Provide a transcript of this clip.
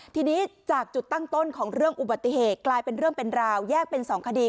ทีนี้จากจุดตั้งต้นของเรื่องอุบัติเหตุกลายเป็นเรื่องเป็นราวแยกเป็น๒คดี